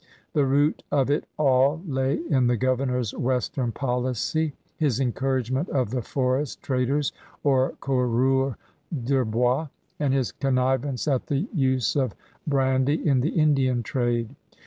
The root of it all lay in the governor's western policy, his encourage ment of the forest traders or coureurs de bois, and his connivance at the use of brandy in the Indian trade.